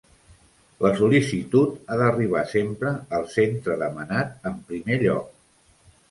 La sol·licitud ha d'arribar sempre al centre demanat en primer lloc.